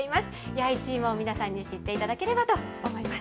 弥一芋を皆さんに知っていただければと思います。